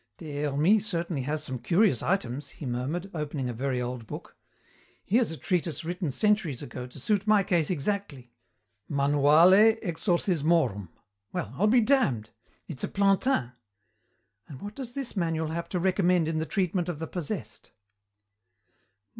"Des Hermies certainly has some curious items," he murmured, opening a very old book. Here's a treatise written centuries ago to suit my case exactly. Manuale exorcismorum. Well, I'll be damned! It's a Plantin. And what does this manual have to recommend in the treatment of the possessed?